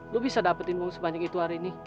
lu bisa dapetinmu sebanyak itu hari ini